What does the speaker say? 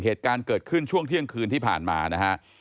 เหตุการณ์เกิดขึ้นช่วงเที่ยงคืนที่ผ่านมานะฮะ